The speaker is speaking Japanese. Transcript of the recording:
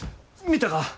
見たか？